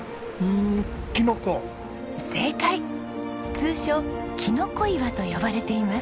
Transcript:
通称キノコ岩と呼ばれています。